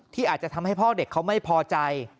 อาจจะทำให้พ่อเด็กเขาไม่พอใจ